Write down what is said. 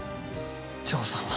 丈さんは。